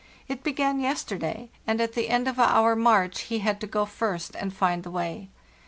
It began yesterday, and at the end of our march he had to go first and find the way.